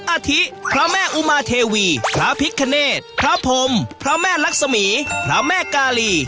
อาทิพระแม่อุมาเทวีพระพิคเนตพระพรมพระแม่ลักษมีพระแม่กาลี